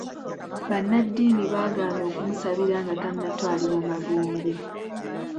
Bannaddiini baagaana okumusabira nga tannatwalibwa magombe.